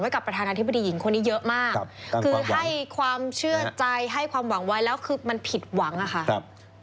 กับประธานาธิบดีหญิงคนนี้เยอะมากคือให้ความเชื่อใจให้ความหวังไว้แล้วคือมันผิดหวังอะค่ะ